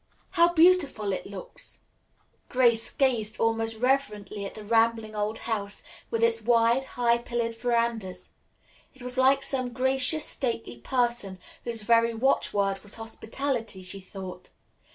"How beautiful it looks!" Grace gazed almost reverently at the rambling old house with its wide, high pillared verandas. It was like some gracious, stately person whose very watchword was hospitality, she thought.